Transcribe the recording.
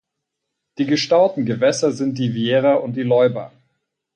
Die gestauten Gewässer sind die Wiera und die Leuba.